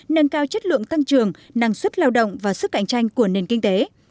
nâng cao chất lượng tăng trưởng năng suất lao động và sức cạnh tranh của nền kinh tế